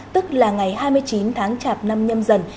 tức là ngày hai mươi chín tháng chạp năm nhâm dần